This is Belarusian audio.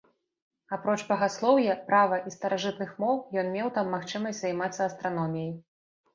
Апроч багаслоўя, права і старажытных моў, ён меў там магчымасць займацца і астраноміяй.